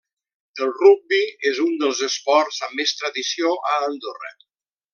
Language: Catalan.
El rugbi és un dels esports amb més tradició a Andorra.